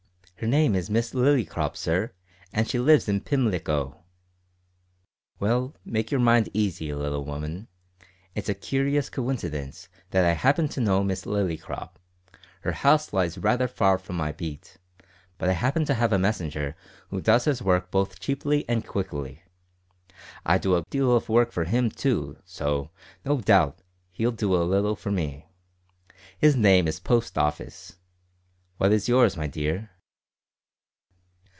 "Her name is Miss Lillycrop, sir, and she lives in Pimlico." "Well, make your mind easy, little woman. It's a curious coincidence that I happen to know Miss Lillycrop. Her house lies rather far from my beat, but I happen to have a messenger who does his work both cheaply and quickly. I do a deal of work for him too, so, no doubt, he'll do a little for me. His name is Post Office. What is your's, my dear?"